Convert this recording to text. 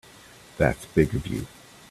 That's big of you.